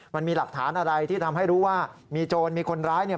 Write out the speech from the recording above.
มันมีหลักฐานอะไรที่ทำให้รู้ว่ามีโจรมีคนร้ายเนี่ย